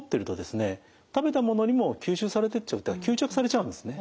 食べたものにも吸収されてっちゃう吸着されちゃうんですね。